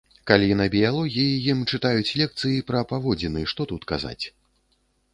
Калі на біялогіі ім чытаюць лекцыі пра паводзіны, што тут казаць?